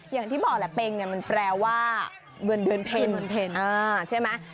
อย่างที่บอกแหละเพ็งมันแปลว่าเมือนเดือนเพลใช่ไหม